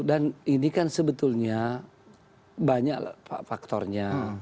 dan ini kan sebetulnya banyak faktornya